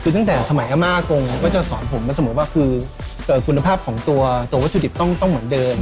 คือตั้งแต่สมัยอาม่ากงก็จะสอนผมมาเสมอว่าคือคุณภาพของตัววัตถุดิบต้องเหมือนเดิม